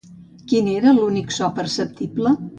Quin era l'únic so perceptible?